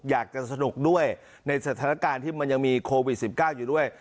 อยากจะสนุกด้วยในสถานการณ์ที่มันยังมีโควิด๑๙อยู่ด้วย